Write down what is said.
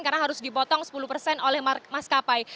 karena harus dipotong sepuluh persen oleh maskapai